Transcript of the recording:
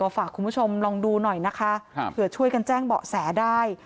ฝากคุณผู้ชมลองดูหน่อยนะคะเผื่อช่วยกันแจ้งเบาะแสได้